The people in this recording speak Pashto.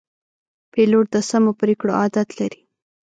پیلوټ د سمو پرېکړو عادت لري.